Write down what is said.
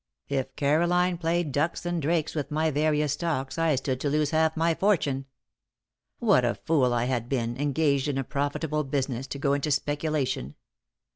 If Caroline played ducks and drakes with my various stocks I stood to lose half my fortune. What a fool I had been, engaged in a profitable business, to go into speculation!